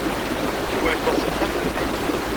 Yuba yeffeɣ seg texxamt-nni.